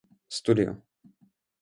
Studio.